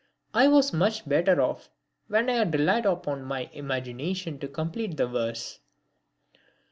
I was much better off when I had relied only upon my imagination to complete the verse.